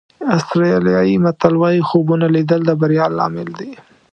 آسټرالیایي متل وایي خوبونه لیدل د بریا لامل دي.